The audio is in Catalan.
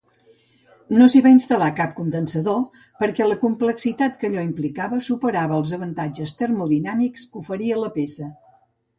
No s'hi va instal·lar cap condensador perquè la complexitat que allò implicava superava els avantatges termodinàmics que oferia la peça.